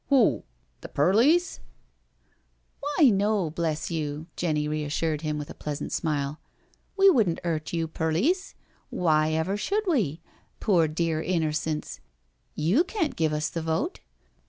" W'o? The perlice?'* " Why no, bless you," Jenny reassured him with a pleasant smile. " We wouldn't 'urt you perlice — why ever should we, poor dear innercents? You can't give us our vote.